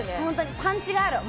パンチがある。